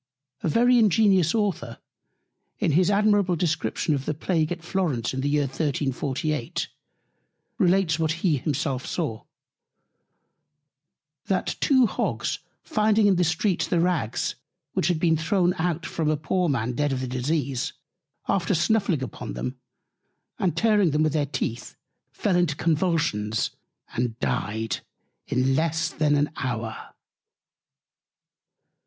A very ingenious Author in his admirable Description of the Plague at Florence in the Year 1348, relates what himself saw: That two Hogs finding in the Streets the Rags, which had been thrown out from off a poor Man dead of the Disease, after snuffling upon them, and tearing them with their Teeth, fell into Convulsions, and dyed in less than an Hour.